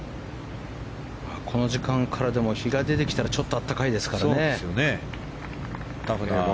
この時間からでも日が出てきたらちょっと暖かいですからね。